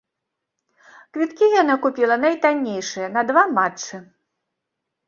Квіткі яна купіла найтаннейшыя, на два матчы.